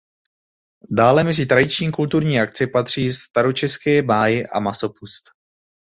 Dále mezi tradiční kulturní akce patří Staročeské máje a Masopust.